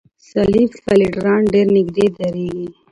سلیپ فېلډران ډېر نږدې درېږي.